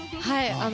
はい。